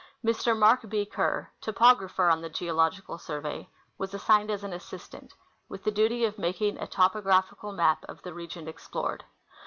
Mr. Mark B. Kerr, toi30grapher on the Geological Survey, was assigned as an assistant, with the duty of making a topographical map of the region explored.